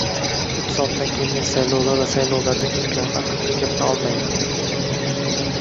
uch soatdan keyin men saylovlar va saylovlardagi imkoniyatlar haqida gapira olmayman